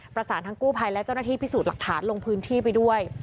ประสานทั้งกู้ภัยและเจ้าหน้าที่พิสูจน์หลักฐานลงพื้นที่ไปด้วย